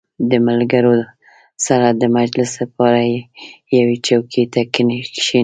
• د ملګرو سره د مجلس لپاره یوې چوکۍ ته کښېنه.